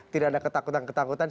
tidak ada ketakutan ketakutan